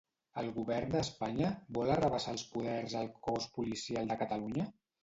El govern d'Espanya vol arrabassar els poders al cos policial de Catalunya?